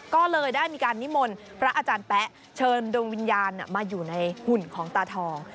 ก็เลยได้มีการนิมนต์พระอาจารย์แป๊ะเชิญดวงวิญญาณมาอยู่ในหุ่นของตาทอง